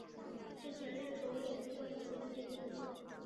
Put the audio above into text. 是前任首领段乞珍之子。